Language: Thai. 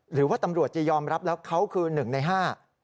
หรือว่าตำรวจจะยอมรับแล้วเขาคือหนึ่งในห้า